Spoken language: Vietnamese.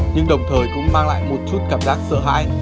nhưng đồng thời cũng mang lại một chút cảm giác sợ hãi